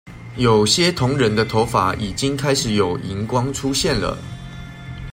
有些同仁的頭髮已經開始有銀光出現了